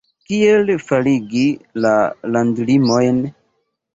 Kiel faligi la landlimojn?